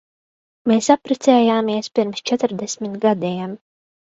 Mēs apprecējāmies pirms četrdesmit gadiem.